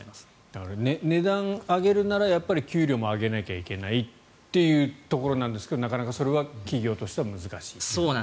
だから値段を上げるなら給料も上げなきゃいけないというところなんですがなかなかそれは企業として難しいと。